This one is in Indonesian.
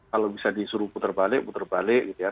kalau bisa disuruh puter balik puter balik gitu ya